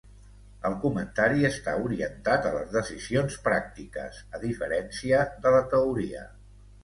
El comentari està orientat a les decisions pràctiques, a diferència de la teoria.